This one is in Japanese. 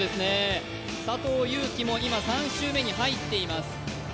佐藤悠基も今、３周目に入っています。